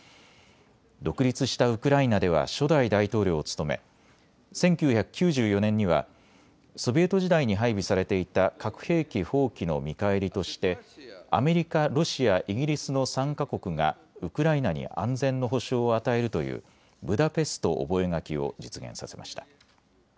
独立したウクライナでは初代大統領を務め１９９４年にはソビエト時代に配備されていた核兵器放棄の見返りとしてアメリカ、ロシア、イギリスの３か国がウクライナに安全の保障を与えるというブダペスト覚書を実現させました。